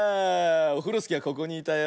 オフロスキーはここにいたよ。